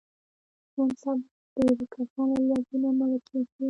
نن سبا ډېری کسان له لوږې نه مړه کېږي.